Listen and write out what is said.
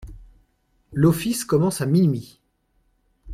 L'office commence à minuit.